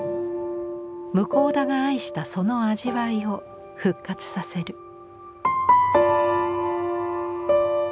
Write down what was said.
向田が愛したその味わいを復活させる。